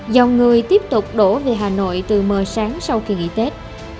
dòng người tiếp tục đổ về hà nội từ mờ sáng sau kỳ nghỉ tết